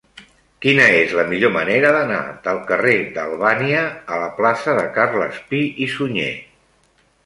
Quina és la millor manera d'anar del carrer d'Albània a la plaça de Carles Pi i Sunyer?